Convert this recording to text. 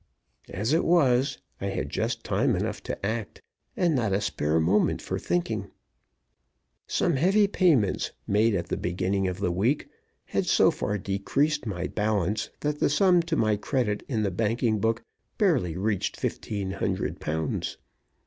As it was, I had just time enough to act, and not a spare moment for thinking. Some heavy payments made at the beginning of the week had so far decreased my balance that the sum to my credit in the banking book barely reached fifteen hundred pounds.